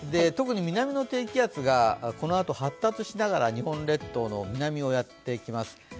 特に南の低気圧がこのあと発達しながら日本列島の南にやってきます。